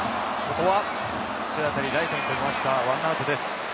強い当たりがライトに飛びました、１アウトです。